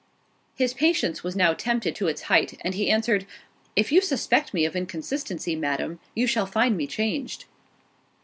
His patience was now tempted to its height, and he answered, "If you suspect me of inconsistency, Madam, you shall find me changed."